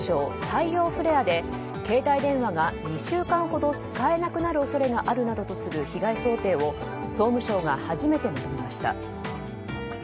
太陽フレアで携帯電話が２週間ほど使えなくなる恐れがあるなどとする被害想定を総務省が初めてまとめました。